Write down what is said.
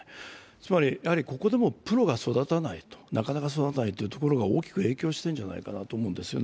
つまりここでもプロがなかなか育たないところが大きく影響しているんじゃないかと思うんです。